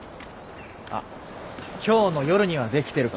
あっ今日の夜にはできてるかも。